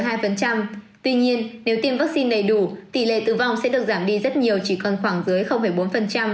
tuy nhiên nếu tiêm vaccine đầy đủ tỷ lệ tử vong sẽ được giảm đi rất nhiều chỉ còn khoảng dưới bốn